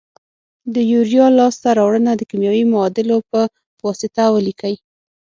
د یوریا لاس ته راوړنه د کیمیاوي معادلو په واسطه ولیکئ.